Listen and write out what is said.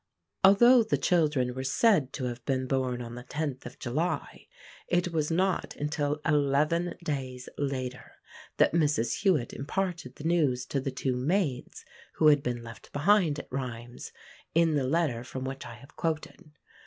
Although the children were said to have been born on the 10th of July it was not until eleven days later that Mrs Hewit imparted the news to the two maids who had been left behind at Rheims, in the letter from which I have quoted.